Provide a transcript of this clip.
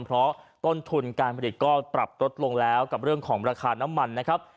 เพราะต้นทุนการผลิตก็ปรับลดลงแล้วกับเรื่องของราคาน้ำมันนะครับ